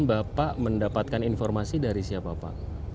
bapak mendapatkan informasi dari siapa pak